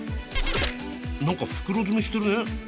何か袋詰めしてるね。